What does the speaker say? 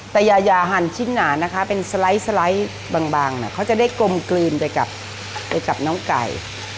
แต่ยายาหั่นชิ้นหนานะคะเป็นสไลด์บางเขาจะได้กลมกลืนไปกับน้องไก่